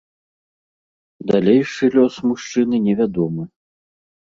Далейшы лёс мужчыны невядомы.